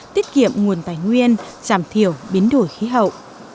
tiết kiệm nguồn tài nguyên giảm thiểu biến đổi khí hậu